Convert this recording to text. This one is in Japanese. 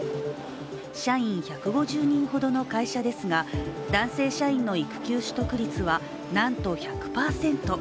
社員１５０人ほどの会社ですが、男性社員の育休取得率はなんと１００％。